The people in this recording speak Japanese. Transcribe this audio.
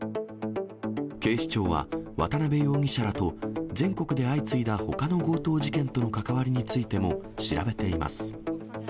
警視庁は、渡辺容疑者らと、全国で相次いだほかの強盗事件との関わりについても調べています。